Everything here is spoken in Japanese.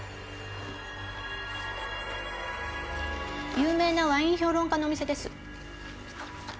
有名なワイン評論家のお店です。